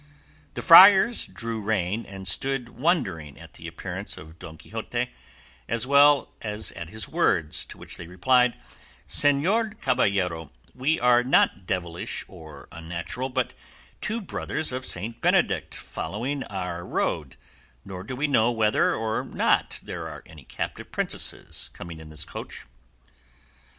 The friars drew rein and stood wondering at the appearance of Don Quixote as well as at his words, to which they replied, "Señor Caballero, we are not devilish or unnatural, but two brothers of St. Benedict following our road, nor do we know whether or not there are any captive princesses coming in this coach."